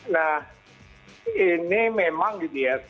nah ini memang gitu ya